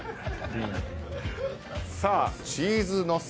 さあチーズのせ。